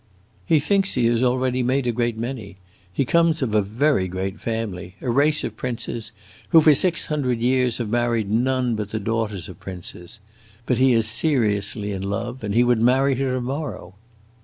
"He thinks he has already made a great many. He comes of a very great family a race of princes who for six hundred years have married none but the daughters of princes. But he is seriously in love, and he would marry her to morrow."